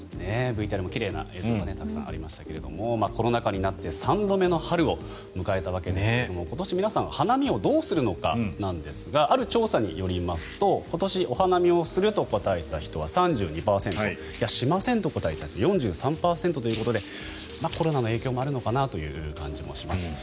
ＶＴＲでも奇麗な映像がたくさんありましたけれどもコロナ禍になって３度目の春を迎えたわけですが今年、皆さん花見をどうするのかなんですがある調査によりますと今年、お花見をすると答えた人は３２％しませんと答えた人は４３％ということでコロナの影響もあるのかなという感じもします。